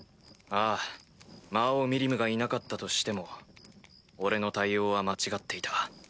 ああ魔王ミリムがいなかったとしても俺の対応は間違っていた。